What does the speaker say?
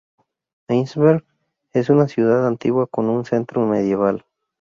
Eisenberg es una ciudad antigua con un centro medieval.